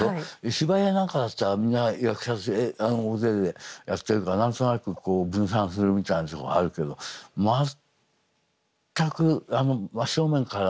芝居や何かだったらみんな役者大勢でやってるから何となくこう分散するみたいなとこあるけど全く真正面から。